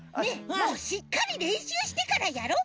もうしっかりれんしゅうしてからやろう！